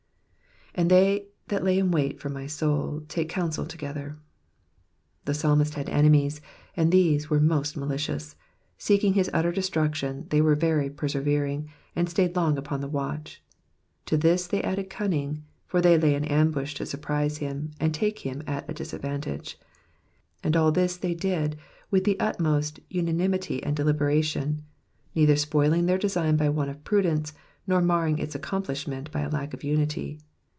*' dnJ they that, lay wait for my soul take counsel togetlier,'*^ The psalmist had enemies, and tlicse were most ma licious ; seeking his utter destruction, they were very persevering, and staid long upon the watch ; to this they added cunning, for they lay in ambush to surprise hun, and take him at a disadvantage ; and all this they did with the utmost unanimity and deliberation, neither spoiling their design by want of prudence, nor marring its accomplishment by a lack of imicy.